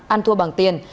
ăn thua bằng tiền